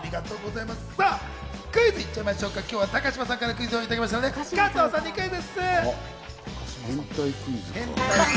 さあ、クイズ行っちゃいましょうか、今日は高嶋さんからクイズをいただきましたので加藤さんにクイズッス！